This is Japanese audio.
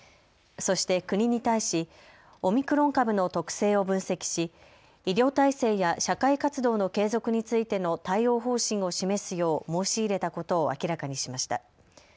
そして国に対しオミクロン株の特性を分析し医療体制や社会活動の継続についての対応方針を示すよう申し入れたことを明らかにしました。